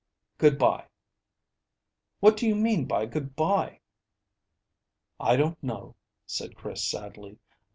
"Good bye." "What do you mean by good bye?" "I don't know," said Chris sadly.